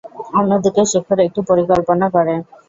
অন্যদিকে শেখর একটি পরিকল্পনা করে।